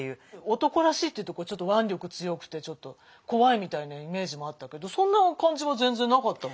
男らしいっていうと腕力強くて怖いみたいなイメージもあったけどそんな感じは全然なかったわね。